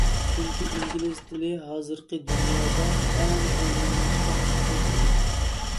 چۈنكى ئىنگلىز تىلى ھازىرقى دۇنيادا ئەڭ ئومۇملاشقان ئۇچۇر تىلى.